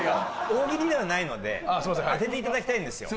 大喜利ではないので当てて頂きたいんですよ。